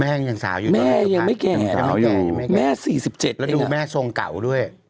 แม่ยังสาวอยู่แม่ยังไม่แก่ยังไม่แก่แม่สี่สิบเจ็ดแล้วดูแม่ทรงเก่าด้วย